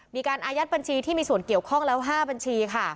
มีการอายัดบัญชีที่มีส่วนเกี่ยวข้องแล้ว๕บัญชีค่ะ